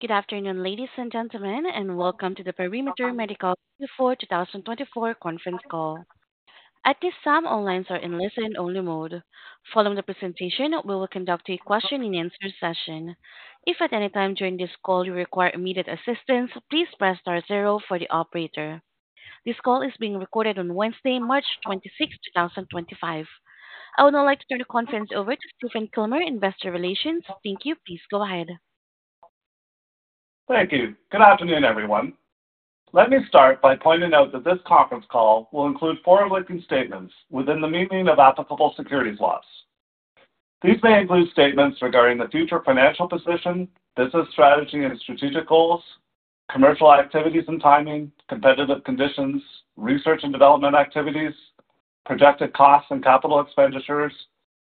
Good afternoon, ladies and gentlemen, and welcome to the Perimeter Medical Imaging AI 2024 conference call. At this time, all lines are in listening-only mode. Following the presentation, we will conduct a question-and-answer session. If at any time during this call you require immediate assistance, please press star zero for the operator. This call is being recorded on Wednesday, March 26th, 2025. I would now like to turn the conference over to Stephen Kilmer, Investor Relations. Thank you. Please go ahead. Thank you. Good afternoon, everyone. Let me start by pointing out that this conference call will include forward-looking statements within the meaning of applicable securities laws. These may include statements regarding the future financial position, business strategy and strategic goals, commercial activities and timing, competitive conditions, research and development activities, projected costs and capital expenditures,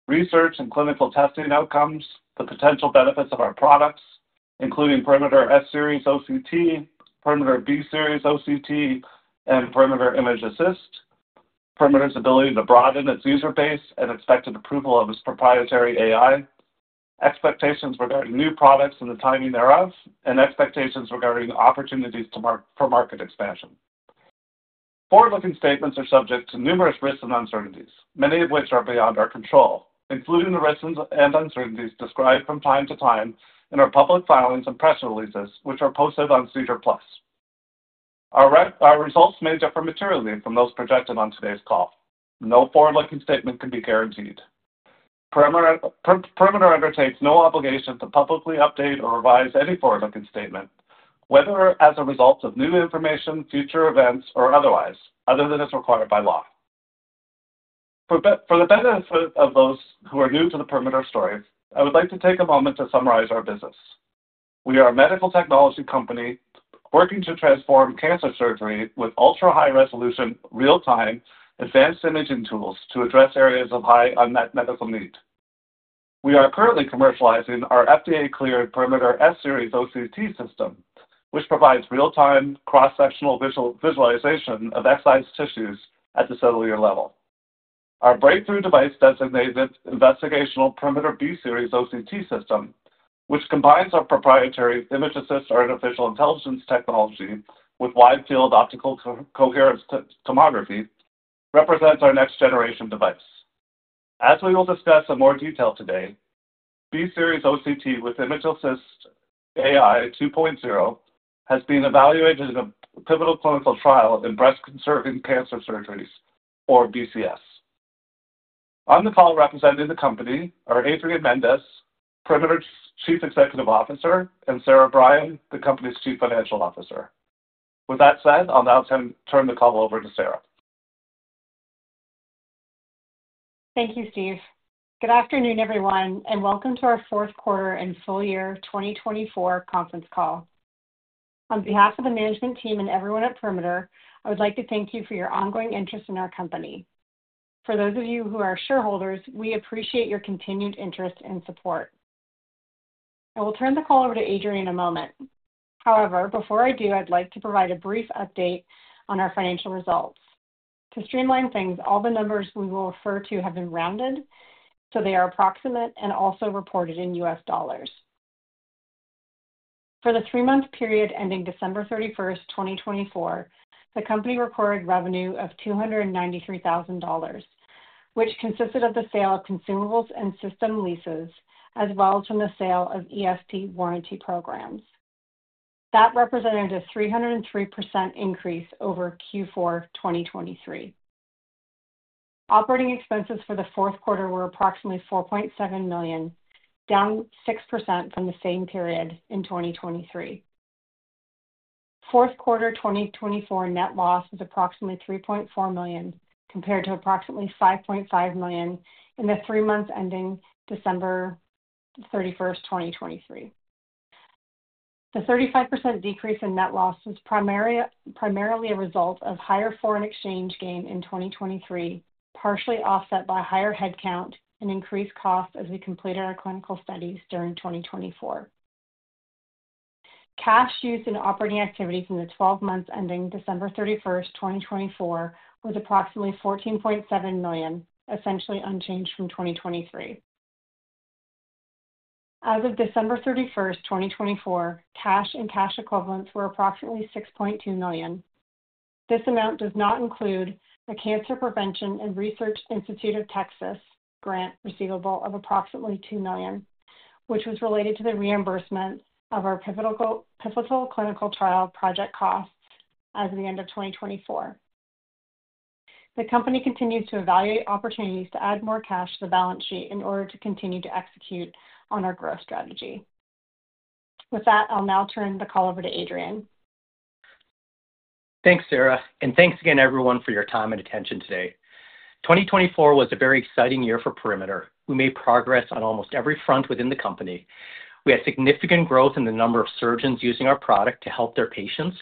research and clinical testing outcomes, the potential benefits of our products, including Perimeter S-Series OCT, Perimeter B-Series OCT, and Perimeter ImgAssist, Perimeter's ability to broaden its user base and expected approval of its proprietary AI, expectations regarding new products and the timing thereof, and expectations regarding opportunities for market expansion. Forward-looking statements are subject to numerous risks and uncertainties, many of which are beyond our control, including the risks and uncertainties described from time to time in our public filings and press releases, which are posted on SEDAR+. Our results may differ materially from those projected on today's call. No forward-looking statement can be guaranteed. Perimeter undertakes no obligation to publicly update or revise any forward-looking statement, whether as a result of new information, future events, or otherwise, other than as required by law. For the benefit of those who are new to the Perimeter story, I would like to take a moment to summarize our business. We are a medical technology company working to transform cancer surgery with ultra-high-resolution, real-time, advanced imaging tools to address areas of high unmet medical need. We are currently commercializing our FDA-cleared Perimeter S-Series OCT system, which provides real-time, cross-sectional visualization of excised tissues at the cellular level. Our breakthrough device, designated investigational Perimeter B-Series OCT system, which combines our proprietary ImgAssist artificial intelligence technology with wide-field optical coherence tomography, represents our next-generation device. As we will discuss in more detail today, B-Series OCT with ImgAssist AI 2.0 has been evaluated in a pivotal clinical trial in breast-conserving cancer surgeries, or BCS. On the call representing the company are Adrian Mendes, Perimeter's Chief Executive Officer, and Sara Brien, the company's Chief Financial Officer. With that said, I'll now turn the call over to Sara. Thank you, Steve. Good afternoon, everyone, and welcome to our fourth quarter and full year 2024 conference call. On behalf of the management team and everyone at Perimeter, I would like to thank you for your ongoing interest in our company. For those of you who are shareholders, we appreciate your continued interest and support. I will turn the call over to Adrian in a moment. However, before I do, I'd like to provide a brief update on our financial results. To streamline things, all the numbers we will refer to have been rounded, so they are approximate and also reported in U.S. dollars. For the three-month period ending December 31st, 2024, the company recorded revenue of $293,000, which consisted of the sale of consumables and system leases, as well as from the sale of ESP warranty programs. That represented a 303% increase over Q4 2023. Operating expenses for the fourth quarter were approximately $4.7 million, down 6% from the same period in 2023. Fourth quarter 2024 net loss was approximately $3.4 million, compared to approximately $5.5 million in the three months ending December 31st, 2023. The 35% decrease in net loss was primarily a result of higher foreign exchange gain in 2023, partially offset by higher headcount and increased costs as we completed our clinical studies during 2024. Cash used in operating activities in the 12 months ending December 31st, 2024, was approximately $14.7 million, essentially unchanged from 2023. As of December 31st, 2024, cash and cash equivalents were approximately $6.2 million. This amount does not include the Cancer Prevention and Research Institute of Texas grant receivable of approximately $2 million, which was related to the reimbursement of our pivotal clinical trial project costs as of the end of 2024. The company continues to evaluate opportunities to add more cash to the balance sheet in order to continue to execute on our growth strategy. With that, I'll now turn the call over to Adrian. Thanks, Sara, and thanks again, everyone, for your time and attention today. 2024 was a very exciting year for Perimeter. We made progress on almost every front within the company. We had significant growth in the number of surgeons using our product to help their patients.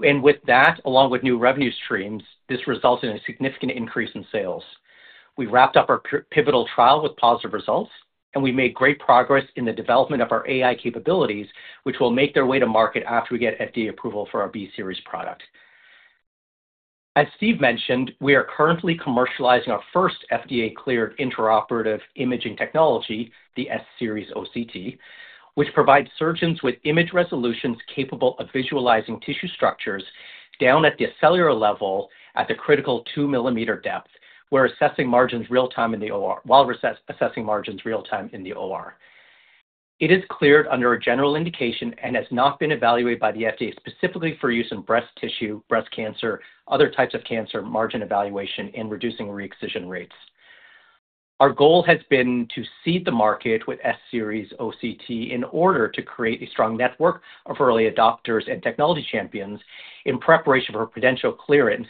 With that, along with new revenue streams, this resulted in a significant increase in sales. We wrapped up our pivotal trial with positive results, and we made great progress in the development of our AI capabilities, which will make their way to market after we get FDA approval for our B-Series product. As Stephen mentioned, we are currently commercializing our first FDA-cleared intraoperative imaging technology, the S-Series OCT, which provides surgeons with image resolutions capable of visualizing tissue structures down at the cellular level at the critical 2-millimeter depth, while assessing margins real-time in the OR. It is cleared under a general indication and has not been evaluated by the FDA specifically for use in breast tissue, breast cancer, other types of cancer margin evaluation, and reducing re-excision rates. Our goal has been to seed the market with S-Series OCT in order to create a strong network of early adopters and technology champions in preparation for potential clearance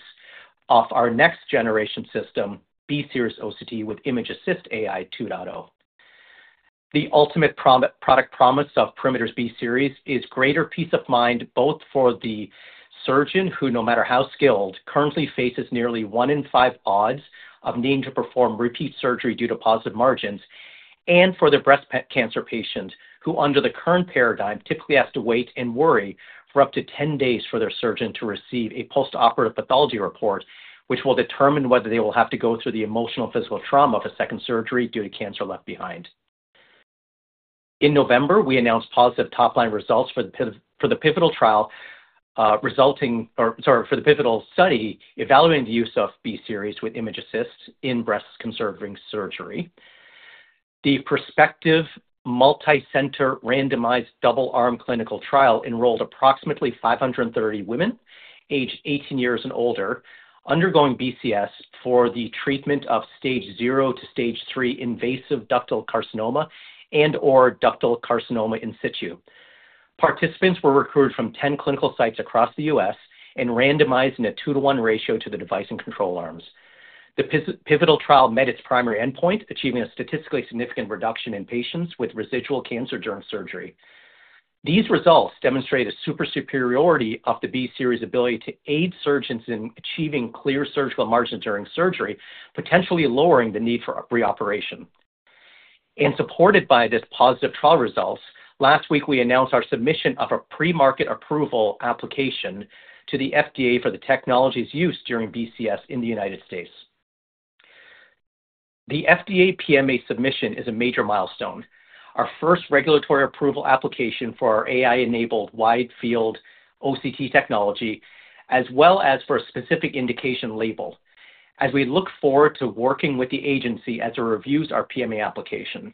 of our next-generation system, B-Series OCT with ImgAssist AI 2.0. The ultimate product promise of Perimeter's B-Series is greater peace of mind, both for the surgeon who, no matter how skilled, currently faces nearly one in five odds of needing to perform repeat surgery due to positive margins, and for the breast cancer patient who, under the current paradigm, typically has to wait and worry for up to 10 days for their surgeon to receive a post-operative pathology report, which will determine whether they will have to go through the emotional and physical trauma of a second surgery due to cancer left behind. In November, we announced positive top-line results for the pivotal study evaluating the use of B-Series with ImgAssist in breast-conserving surgery. The prospective multi-center randomized double-arm clinical trial enrolled approximately 530 women, aged 18 years and older, undergoing BCS for the treatment of stage 0 to stage 3 invasive ductal carcinoma and/or ductal carcinoma in situ. Participants were recruited from 10 clinical sites across the U.S. and randomized in a 2:1 ratio to the device and control arms. The pivotal trial met its primary endpoint, achieving a statistically significant reduction in patients with residual cancer during surgery. These results demonstrate a superiority of the B-Series' ability to aid surgeons in achieving clear surgical margins during surgery, potentially lowering the need for re-operation. Supported by these positive trial results, last week we announced our submission of a pre-market approval application to the FDA for the technologies used during BCS in the United States. The FDA PMA submission is a major milestone, our first regulatory approval application for our AI-enabled wide-field OCT technology, as well as for a specific indication label, as we look forward to working with the agency as it reviews our PMA application.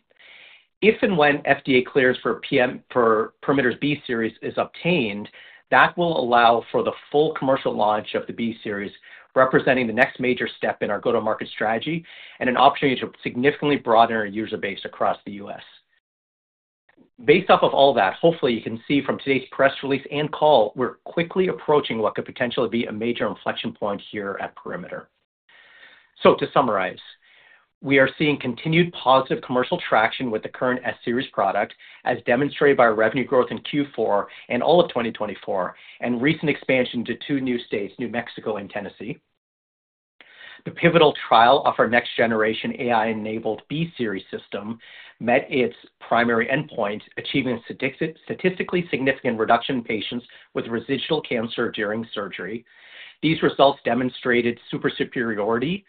If and when FDA clearance for Perimeter's B-Series is obtained, that will allow for the full commercial launch of the B-Series, representing the next major step in our go-to-market strategy and an opportunity to significantly broaden our user base across the U.S. Based off of all that, hopefully, you can see from today's press release and call, we are quickly approaching what could potentially be a major inflection point here at Perimeter. To summarize, we are seeing continued positive commercial traction with the current S-Series product, as demonstrated by revenue growth in Q4 and all of 2024, and recent expansion to two new states, New Mexico and Tennessee. The pivotal trial of our next-generation AI-enabled B-Series system met its primary endpoint, achieving a statistically significant reduction in patients with residual cancer during surgery. These results demonstrated superiority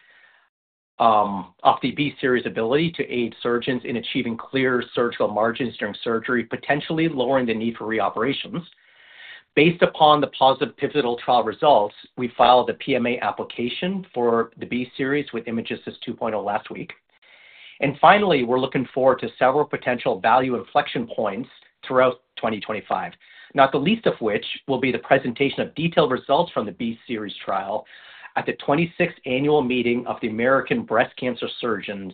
of the B-Series' ability to aid surgeons in achieving clear surgical margins during surgery, potentially lowering the need for re-operations. Based upon the positive pivotal trial results, we filed the PMA application for the B-Series with ImgAssist 2.0 last week. Finally, we are looking forward to several potential value inflection points throughout 2025, not the least of which will be the presentation of detailed results from the B-Series trial at the 26th Annual Meeting of the American Society of Breast Surgeons,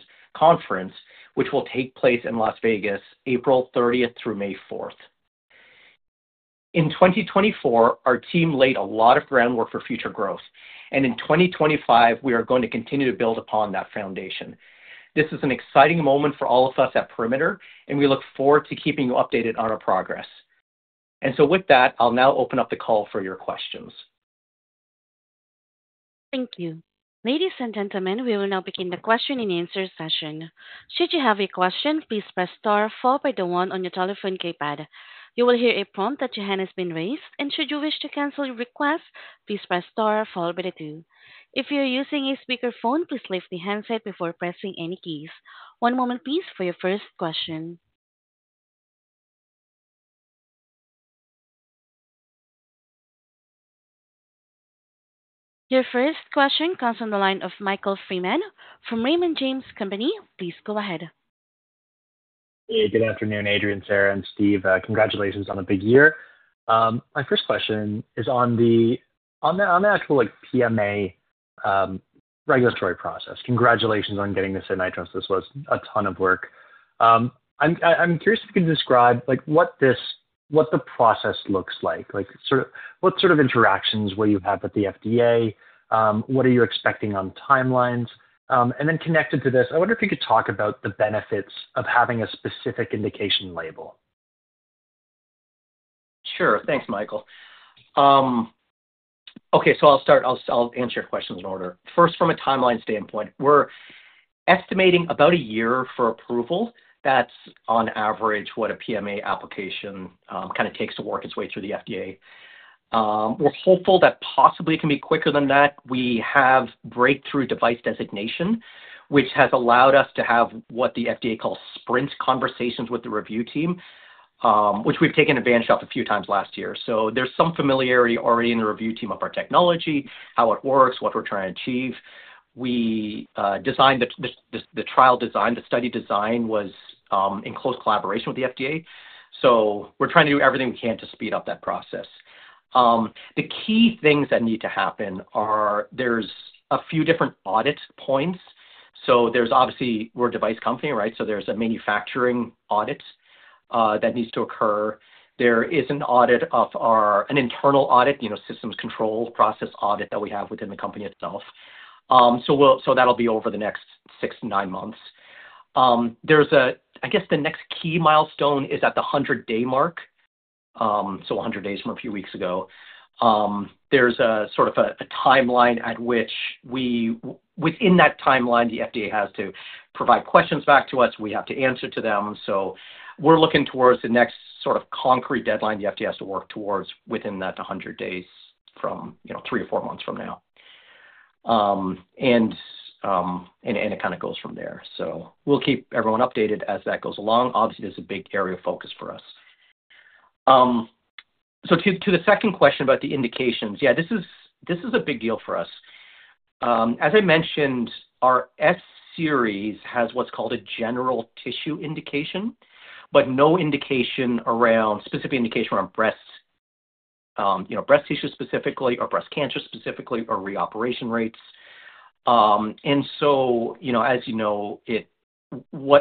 which will take place in Las Vegas, April 30th through May 4. In 2024, our team laid a lot of groundwork for future growth, and in 2025, we are going to continue to build upon that foundation. This is an exciting moment for all of us at Perimeter, and we look forward to keeping you updated on our progress. With that, I'll now open up the call for your questions. Thank you. Ladies and gentlemen, we will now begin the question and answer session. Should you have a question, please press star followed by the one on your telephone keypad. You will hear a prompt that your hand has been raised, and should you wish to cancel your request, please press star followed by the two. If you're using a speakerphone, please lift the handset before pressing any keys. One moment, please, for your first question. Your first question comes from the line of Michael Freeman from Raymond James. Please go ahead. Hey, good afternoon, Adrian, Sara, and Stephen. Congratulations on a big year. My first question is on the actual PMA regulatory process. Congratulations on getting this in, I trust. This was a ton of work. I'm curious if you can describe what the process looks like. What sort of interactions will you have with the FDA? What are you expecting on timelines? Connected to this, I wonder if you could talk about the benefits of having a specific indication label. Sure. Thanks, Michael. Okay, so I'll start. I'll answer your questions in order. First, from a timeline standpoint, we're estimating about a year for approval. That's, on average, what a PMA application kind of takes to work its way through the FDA. We're hopeful that possibly it can be quicker than that. We have breakthrough device designation, which has allowed us to have what the FDA calls sprint conversations with the review team, which we've taken advantage of a few times last year. There is some familiarity already in the review team of our technology, how it works, what we're trying to achieve. The trial design, the study design, was in close collaboration with the FDA. We're trying to do everything we can to speed up that process. The key things that need to happen are there's a few different audit points. There is obviously, we are a device company, right? There is a manufacturing audit that needs to occur. There is an internal audit, systems control process audit that we have within the company itself. That will be over the next six to nine months. I guess the next key milestone is at the 100-day mark. So 100 days from a few weeks ago. There is sort of a timeline at which, within that timeline, the FDA has to provide questions back to us. We have to answer to them. We are looking towards the next sort of concrete deadline the FDA has to work towards within that 100 days from three or four months from now. It kind of goes from there. We will keep everyone updated as that goes along. Obviously, this is a big area of focus for us. To the second question about the indications, yeah, this is a big deal for us. As I mentioned, our S-Series has what's called a general tissue indication, but no specific indication around breast tissue specifically or breast cancer specifically or re-operation rates. As you know,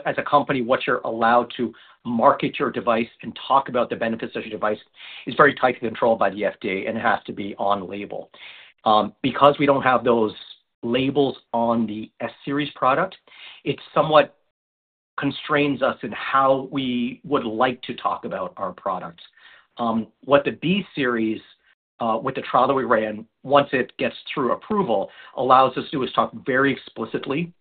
as a company, what you're allowed to market your device and talk about the benefits of your device is very tightly controlled by the FDA, and it has to be on label. Because we don't have those labels on the S-Series product, it somewhat constrains us in how we would like to talk about our products. What the B-Series, with the trial that we ran, once it gets through approval, allows us to talk very explicitly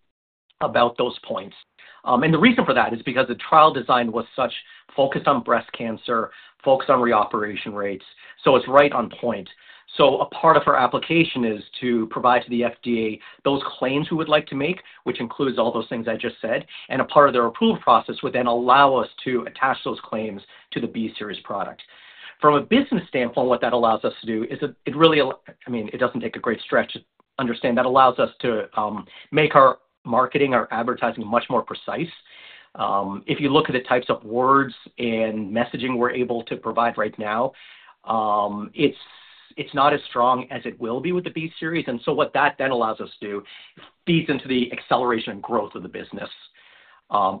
about those points. The reason for that is because the trial design was such focused on breast cancer, focused on re-operation rates. It is right on point. A part of our application is to provide to the FDA those claims we would like to make, which includes all those things I just said, and a part of their approval process would then allow us to attach those claims to the B-Series product. From a business standpoint, what that allows us to do is it really, I mean, it does not take a great stretch to understand. That allows us to make our marketing, our advertising much more precise. If you look at the types of words and messaging we are able to provide right now, it is not as strong as it will be with the B-Series. What that then allows us to do feeds into the acceleration and growth of the business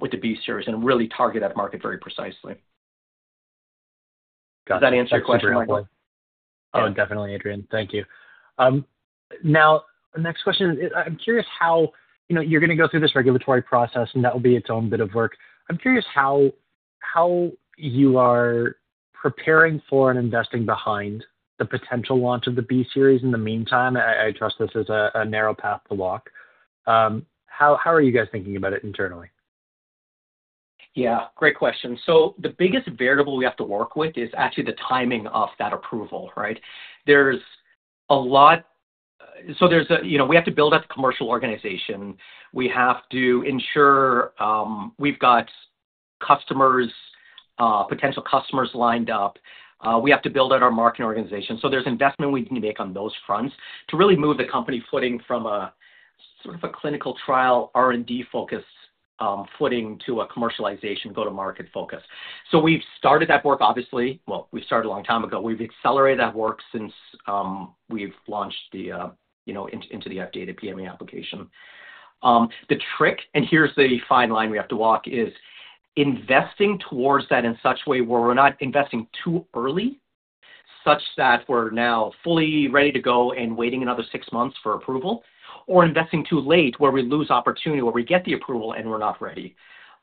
with the B-Series and really target that market very precisely. Does that answer your question, Michael? Oh, definitely, Adrian. Thank you. Now, the next question, I'm curious how you're going to go through this regulatory process, and that will be its own bit of work. I'm curious how you are preparing for and investing behind the potential launch of the B-Series in the meantime. I trust this is a narrow path to walk. How are you guys thinking about it internally? Yeah, great question. The biggest variable we have to work with is actually the timing of that approval, right? We have to build up the commercial organization. We have to ensure we've got potential customers lined up. We have to build out our marketing organization. There's investment we need to make on those fronts to really move the company footing from a sort of clinical trial R&D-focused footing to a commercialization go-to-market focus. We've started that work, obviously. We've started a long time ago. We've accelerated that work since we've launched into the FDA to PMA application. The trick, and here's the fine line we have to walk, is investing towards that in such a way where we're not investing too early, such that we're now fully ready to go and waiting another six months for approval, or investing too late where we lose opportunity, where we get the approval, and we're not ready.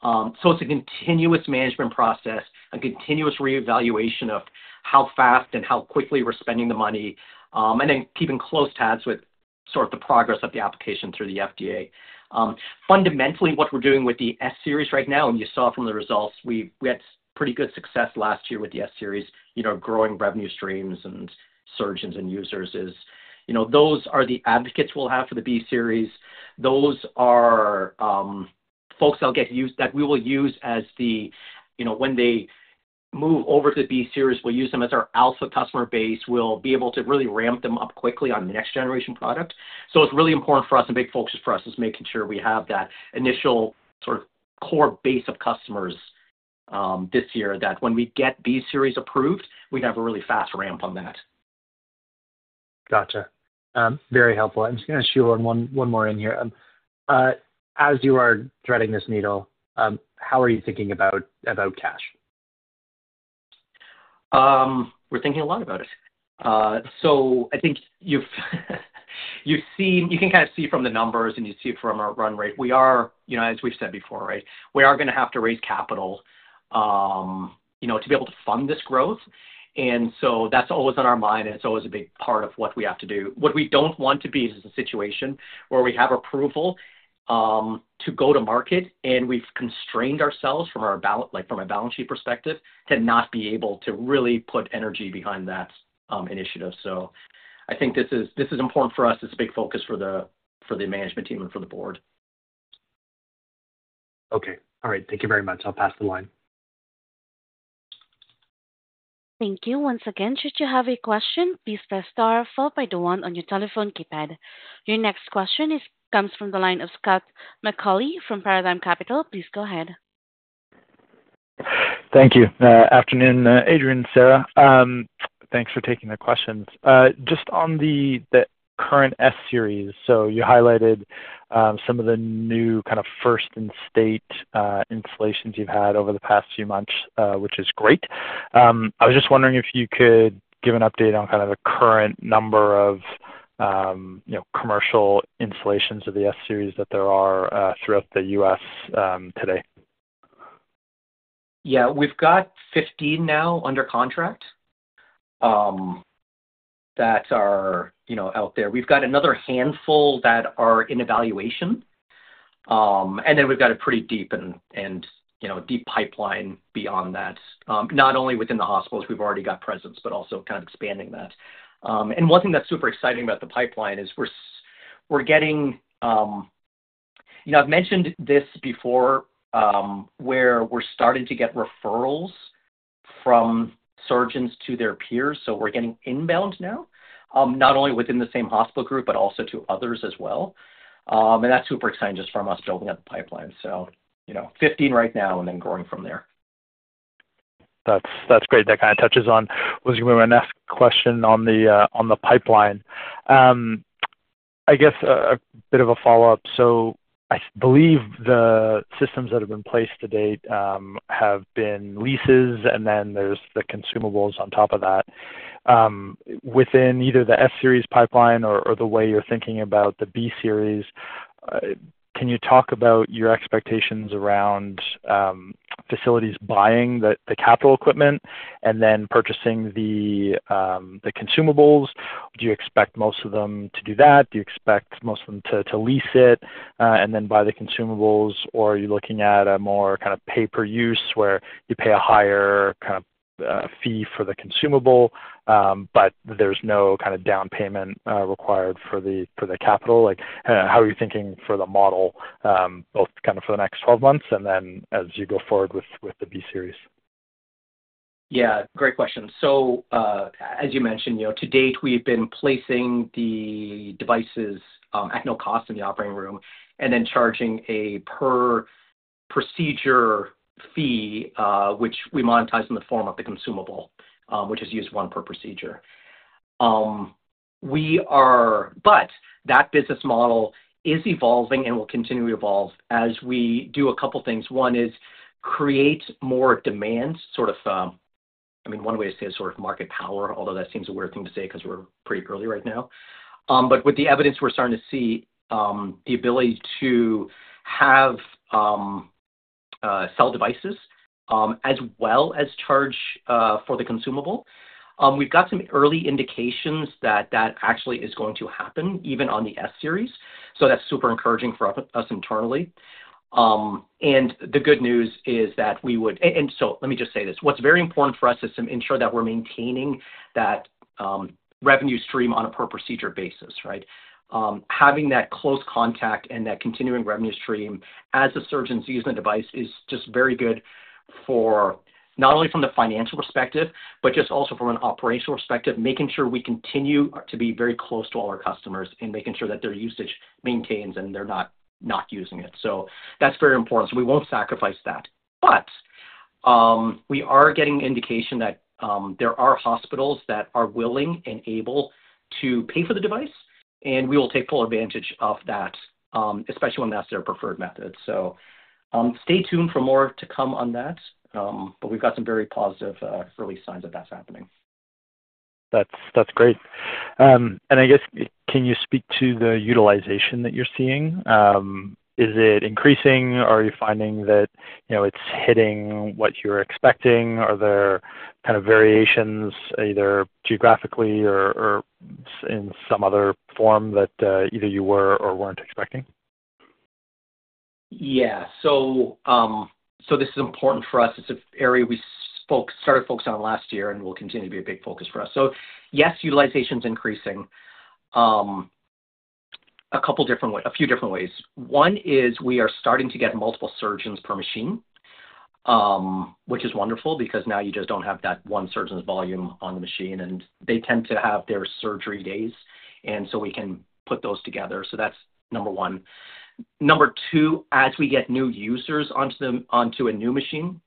It is a continuous management process, a continuous reevaluation of how fast and how quickly we're spending the money, and then keeping close tabs with sort of the progress of the application through the FDA. Fundamentally, what we're doing with the S-Series right now, and you saw from the results, we had pretty good success last year with the S-Series, growing revenue streams and surgeons and users, is those are the advocates we'll have for the B-Series. Those are folks that we will use as the, when they move over to the B-Series, we'll use them as our alpha customer base. We'll be able to really ramp them up quickly on the next-generation product. It is really important for us, and big focus for us, is making sure we have that initial sort of core base of customers this year that when we get B-Series approved, we can have a really fast ramp on that. Gotcha. Very helpful. I'm just going to shoehorn one more in here. As you are threading this needle, how are you thinking about cash? We're thinking a lot about it. I think you can kind of see from the numbers, and you see it from our run rate. As we've said before, right, we are going to have to raise capital to be able to fund this growth. That's always on our mind, and it's always a big part of what we have to do. What we don't want to be is a situation where we have approval to go to market, and we've constrained ourselves from a balance sheet perspective to not be able to really put energy behind that initiative. I think this is important for us. It's a big focus for the management team and for the board. Okay. All right. Thank you very much. I'll pass the line. Thank you. Once again, should you have a question, please press star followed by the one on your telephone keypad. Your next question comes from the line of Scott McAuley from Paradigm Capital. Please go ahead. Thank you. Afternoon, Adrian, Sara. Thanks for taking the questions. Just on the current S-Series, you highlighted some of the new kind of first-in-state installations you've had over the past few months, which is great. I was just wondering if you could give an update on kind of the current number of commercial installations of the S-Series that there are throughout the U.S. today. Yeah. We've got 15 now under contract that are out there. We've got another handful that are in evaluation. We've got a pretty deep and deep pipeline beyond that, not only within the hospitals we've already got presence, but also kind of expanding that. One thing that's super exciting about the pipeline is we're getting—I have mentioned this before—where we're starting to get referrals from surgeons to their peers. We're getting inbound now, not only within the same hospital group, but also to others as well. That's super exciting just from us building up the pipeline. 15 right now and then growing from there. That's great. That kind of touches on—was going to be my next question on the pipeline. I guess a bit of a follow-up. I believe the systems that have been placed to date have been leases, and then there's the consumables on top of that. Within either the S-Series pipeline or the way you're thinking about the B-Series, can you talk about your expectations around facilities buying the capital equipment and then purchasing the consumables? Do you expect most of them to do that? Do you expect most of them to lease it and then buy the consumables? Are you looking at a more kind of pay-per-use where you pay a higher kind of fee for the consumable, but there's no kind of down payment required for the capital? How are you thinking for the model, both kind of for the next 12 months and then as you go forward with the B-Series? Yeah. Great question. As you mentioned, to date, we've been placing the devices at no cost in the operating room and then charging a per-procedure fee, which we monetize in the form of the consumable, which is used one per procedure. That business model is evolving and will continue to evolve as we do a couple of things. One is create more demand, sort of—I mean, one way to say it is sort of market power, although that seems a weird thing to say because we're pretty early right now. With the evidence we're starting to see, the ability to sell devices as well as charge for the consumable, we've got some early indications that that actually is going to happen even on the S-Series. That's super encouraging for us internally. The good news is that we would—and let me just say this. What's very important for us is to ensure that we're maintaining that revenue stream on a per-procedure basis, right? Having that close contact and that continuing revenue stream as the surgeons use the device is just very good not only from the financial perspective, but just also from an operational perspective, making sure we continue to be very close to all our customers and making sure that their usage maintains and they're not not using it. That's very important. We won't sacrifice that. We are getting indication that there are hospitals that are willing and able to pay for the device, and we will take full advantage of that, especially when that's their preferred method. Stay tuned for more to come on that, but we've got some very positive early signs that that's happening. That's great. I guess, can you speak to the utilization that you're seeing? Is it increasing? Are you finding that it's hitting what you're expecting? Are there kind of variations either geographically or in some other form that either you were or were not expecting? Yeah. This is important for us. It's an area we started focusing on last year and will continue to be a big focus for us. Yes, utilization is increasing a few different ways. One is we are starting to get multiple surgeons per machine, which is wonderful because now you just don't have that one surgeon's volume on the machine, and they tend to have their surgery days, and we can put those together. That's number one. Number two, as we get new users onto a new machine,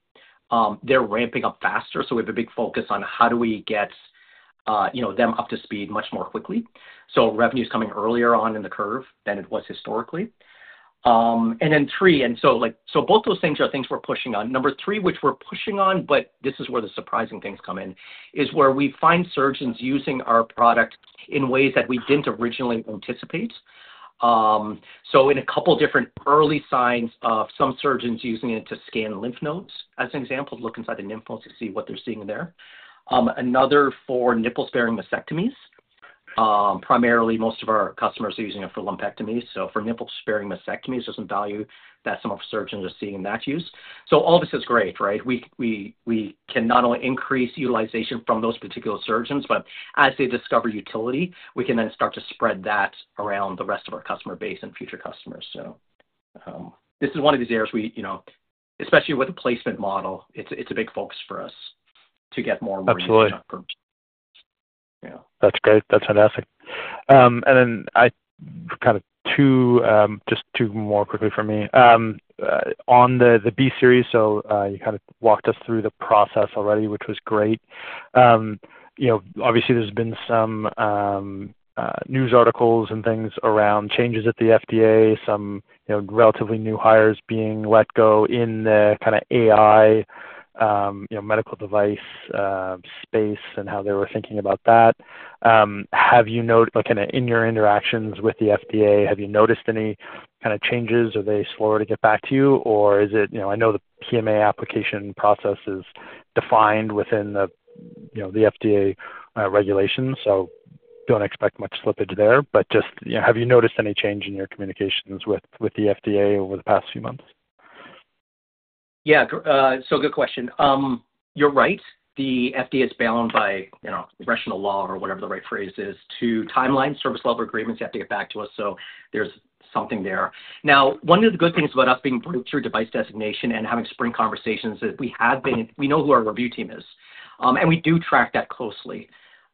they're ramping up faster. We have a big focus on how do we get them up to speed much more quickly. Revenue is coming earlier on in the curve than it was historically. Then three, both those things are things we're pushing on. Number three, which we're pushing on, but this is where the surprising things come in, is where we find surgeons using our product in ways that we didn't originally anticipate. In a couple of different early signs of some surgeons using it to scan lymph nodes, as an example, look inside the lymph nodes to see what they're seeing there. Another for nipple-sparing mastectomies. Primarily, most of our customers are using it for lumpectomies. For nipple-sparing mastectomies, there's some value that some of our surgeons are seeing in that use. All this is great, right? We can not only increase utilization from those particular surgeons, but as they discover utility, we can then start to spread that around the rest of our customer base and future customers. This is one of these areas we, especially with the placement model, it's a big focus for us to get more revenue in that group. Absolutely. That's great. That's fantastic. Then kind of just two more quickly from me. On the B-Series, you kind of walked us through the process already, which was great. Obviously, there have been some news articles and things around changes at the FDA, some relatively new hires being let go in the kind of AI medical device space and how they were thinking about that. Have you, in your interactions with the FDA, noticed any kind of changes? Are they slower to get back to you? I know the PMA application process is defined within the FDA regulations, so I do not expect much slippage there. Just have you noticed any change in your communications with the FDA over the past few months? Yeah. Good question. You're right. The FDA is bound by congressional law or whatever the right phrase is to timeline service level agreements you have to get back to us. There's something there. Now, one of the good things about us being Breakthrough Device Designation and having sprint conversations is we know who our review team is. We do track that closely.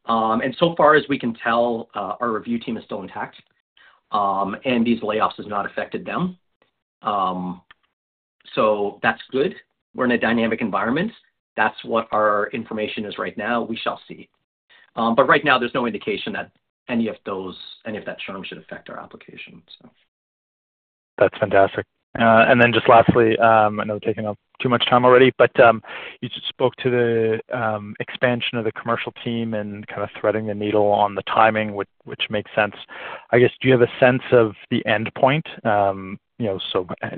So far as we can tell, our review team is still intact. These layoffs have not affected them. That's good. We're in a dynamic environment. That's what our information is right now. We shall see. Right now, there's no indication that any of that churn should affect our application. That's fantastic. Lastly, I know we're taking up too much time already, but you spoke to the expansion of the commercial team and kind of threading the needle on the timing, which makes sense. I guess, do you have a sense of the endpoint?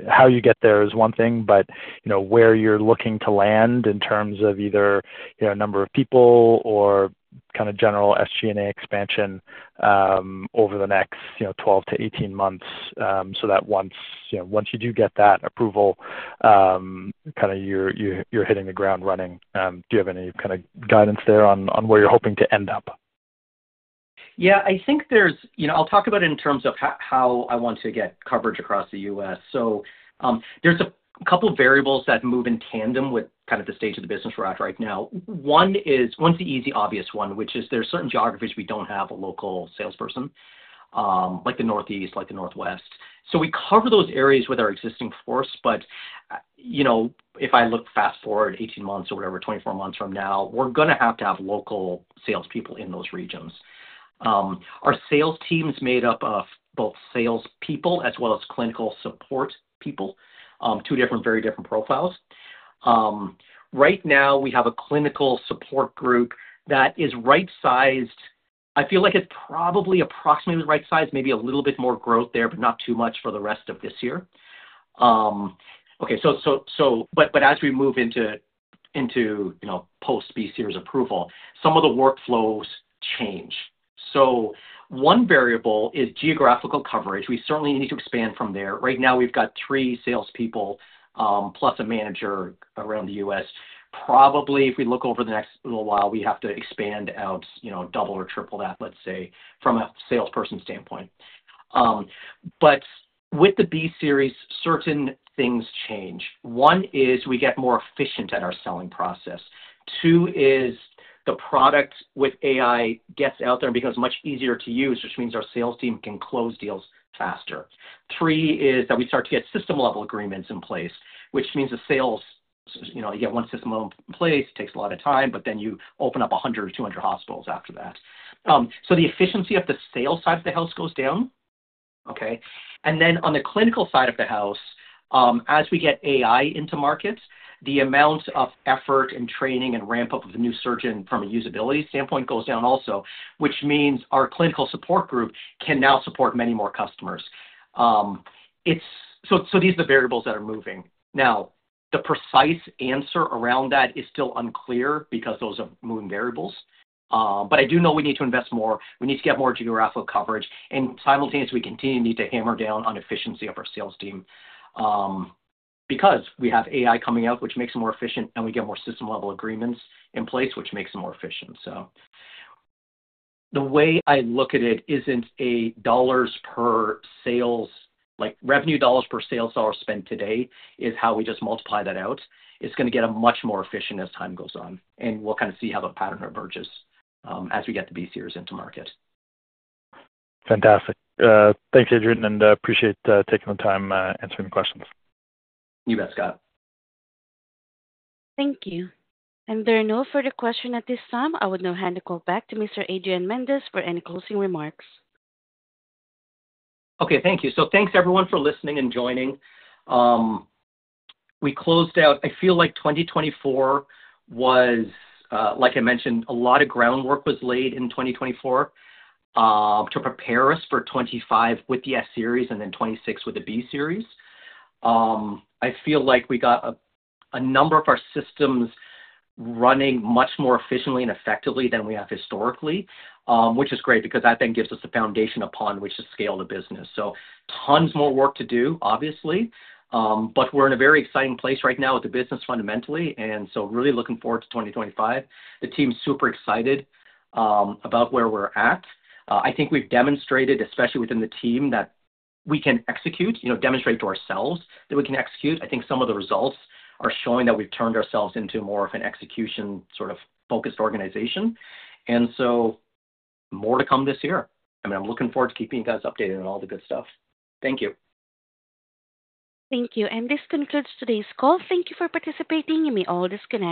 How you get there is one thing, but where you're looking to land in terms of either a number of people or kind of general SG&A expansion over the next 12 months-18 months so that once you do get that approval, you're hitting the ground running. Do you have any kind of guidance there on where you're hoping to end up? Yeah. I think there's, I'll talk about it in terms of how I want to get coverage across the U.S. There are a couple of variables that move in tandem with kind of the stage of the business we're at right now. One is the easy, obvious one, which is there are certain geographies we don't have a local salesperson, like the Northeast, like the Northwest. We cover those areas with our existing force. If I look fast forward 18 months or, whatever, 24 months from now, we're going to have to have local salespeople in those regions. Our sales team is made up of both salespeople as well as clinical support people, two different, very different profiles. Right now, we have a clinical support group that is right-sized. I feel like it's probably approximately right-sized, maybe a little bit more growth there, but not too much for the rest of this year. Okay. As we move into post-B-Series approval, some of the workflows change. One variable is geographical coverage. We certainly need to expand from there. Right now, we've got three salespeople plus a manager around the U.S. Probably if we look over the next little while, we have to expand out double or triple that, let's say, from a salesperson standpoint. With the B-Series, certain things change. One is we get more efficient at our selling process. Two is the product with AI gets out there and becomes much easier to use, which means our sales team can close deals faster. Three is that we start to get system-level agreements in place, which means the sales you get one system level in place, takes a lot of time, but then you open up 100 or 200 hospitals after that. The efficiency of the sales side of the house goes down. Okay. On the clinical side of the house, as we get AI into markets, the amount of effort and training and ramp-up of the new surgeon from a usability standpoint goes down also, which means our clinical support group can now support many more customers. These are the variables that are moving. The precise answer around that is still unclear because those are moving variables. I do know we need to invest more. We need to get more geographical coverage. Simultaneously, we continue to need to hammer down on efficiency of our sales team because we have AI coming out, which makes them more efficient, and we get more system-level agreements in place, which makes them more efficient. The way I look at it is not a dollars per sales revenue, dollars per sales dollar spent today is how we just multiply that out. It is going to get much more efficient as time goes on. We will kind of see how the pattern emerges as we get the B-Series into market. Fantastic. Thanks, Adrian. I appreciate taking the time answering the questions. You bet, Scott. Thank you. There are no further questions at this time. I would now hand the call back to Mr. Adrian Mendes for any closing remarks. Okay. Thank you. So thanks, everyone, for listening and joining. We closed out. I feel like 2024 was, like I mentioned, a lot of groundwork was laid in 2024 to prepare us for 2025 with the S-Series and then 2026 with the B-Series. I feel like we got a number of our systems running much more efficiently and effectively than we have historically, which is great because that then gives us the foundation upon which to scale the business. Tons more work to do, obviously. We are in a very exciting place right now with the business fundamentally. Really looking forward to 2025. The team's super excited about where we're at. I think we've demonstrated, especially within the team, that we can execute, demonstrate to ourselves that we can execute. I think some of the results are showing that we've turned ourselves into more of an execution sort of focused organization. More to come this year. I mean, I'm looking forward to keeping you guys updated on all the good stuff. Thank you. Thank you. This concludes today's call. Thank you for participating. You may all disconnect.